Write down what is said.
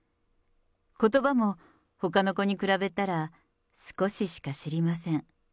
ことばもほかの子に比べたら少ししか知りません。